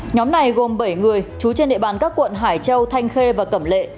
nhóm này gồm bảy người trú trên địa bàn các quận hải châu thanh khê và cẩm lệ